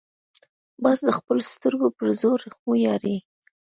باز د خپلو سترګو پر زور ویاړي